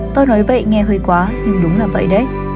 tôi nói vậy nghe hơi quá nhưng đúng là vậy đấy